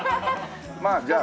まあじゃあ。